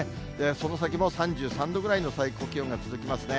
その先も３３度ぐらいの最高気温が続きますね。